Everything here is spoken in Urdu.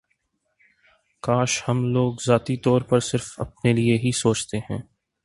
کاش ہم لوگ ذاتی طور پر صرف اپنے لیے ہی سوچتے ہیں